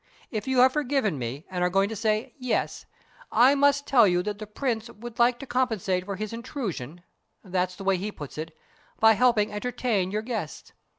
If you have forgiven me and are going to say 'yes,' I must tell you that the Prince would like to compensate for his intrusion that's the way he puts it by helping entertain your guests.